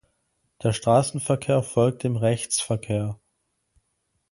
Der Straßenverkehr folgt dem Rechtsverkehr.